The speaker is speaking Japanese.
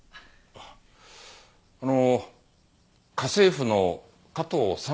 あっあの家政婦の加藤佐奈さんですね。